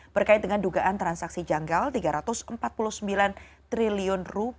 berkait dengan dugaan transaksi janggal rp tiga ratus empat puluh sembilan triliun